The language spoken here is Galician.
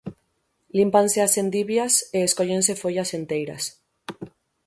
Límpanse as endivias e escóllense follas enteiras.